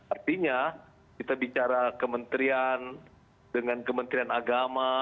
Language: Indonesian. artinya kita bicara kementerian dengan kementerian agama